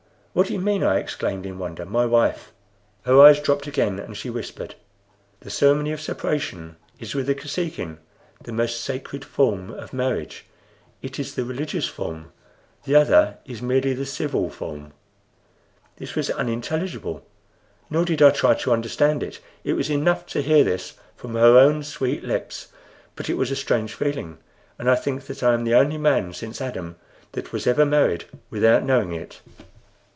"What do you mean?" I exclaimed, in wonder. "My wife!" Her eyes dropped again, and she whispered: "The ceremony of separation is with the Kosekin the most sacred form of marriage. It is the religious form; the other is merely the civil form." This was unintelligible, nor did I try to understand it. It was enough to hear this from her own sweet lips; but it was a strange feeling, and I think I am the only man since Adam that ever was married without knowing it.